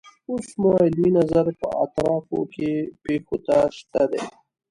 اوس مو علمي نظر په اطرافو کې پیښو ته شته دی.